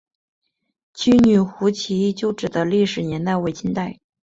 七女湖起义旧址的历史年代为清代。